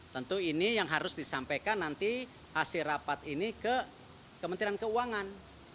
tentu ini yang harus disampaikan nanti hasil rapat ini ke kementerian keuangan